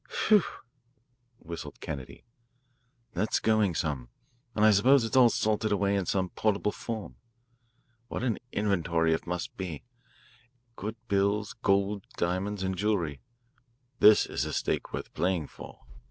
"Whew," whistled Kennedy, "that's going some. And I suppose it is all salted away in some portable form. What an inventory if must be good bills, gold, diamonds, and jewellery. This is a stake worth playing for."